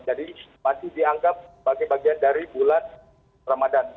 jadi masih dianggap sebagai bagian dari bulan ramadhan